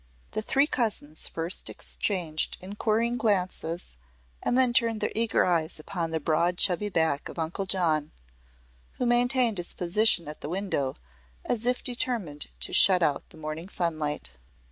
The three cousins first exchanged inquiring glances and then turned their eager eyes upon the broad chubby back of Uncle John, who maintained his position at the window as if determined to shut out the morning sunlight.